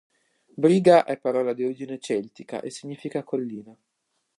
Briga è parola di origine celtica, e significa collina.